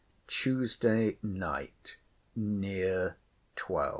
TUESDAY NIGHT, NEAR 12.